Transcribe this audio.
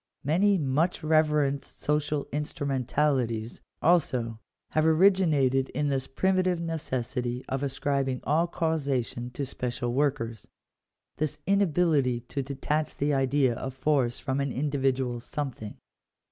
Many muoh reverenoed social instrumentalities, also, have ori ginated in this primitive necessity of ascribing all causation to special workers — this inability to detach the idea of force from an individual something.